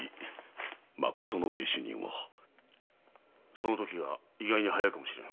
その時が意外に早いかもしれぬ。